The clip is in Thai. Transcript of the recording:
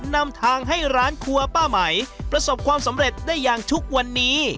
นำทางให้ร้านครัวป้าไหมประสบความสำเร็จได้อย่างทุกวันนี้